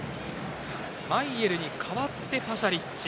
マイェルに代わってパシャリッチ。